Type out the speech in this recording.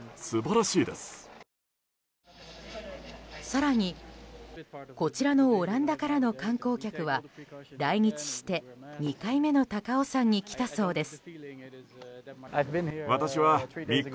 更に、こちらのオランダからの観光客は来日して２回目の高尾山に来たそうです。